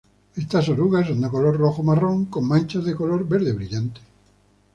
Estas orugas son de color rojo-marrón con manchas de color verde brillante.